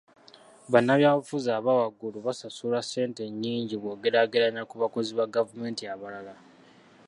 Bannabyabufuzi aba waggulu basasulwa ssente nnyingi bw'ogeraageranya ku bakozi ba gavumenti abalala.